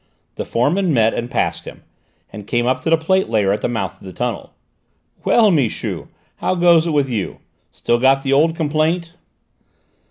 The foreman met and passed him, and came up to the plate layer at the mouth of the tunnel. "Well, Michu, how goes it with you? Still got the old complaint?"